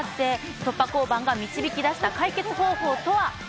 突破交番が導き出した解決方法とは？